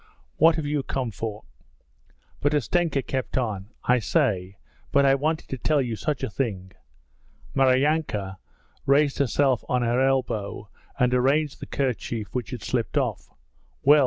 What have you come for?' But Ustenka kept on, 'I say! But I wanted to tell you such a thing.' Maryanka raised herself on her elbow and arranged the kerchief which had slipped off.